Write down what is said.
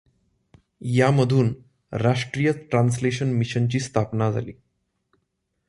यामधून राष्ट्रीय ट्रान्सलेशन मिशनची स्थापना झाली.